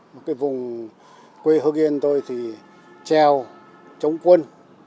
một cái vùng quê hương yên tôi thì treo chống quân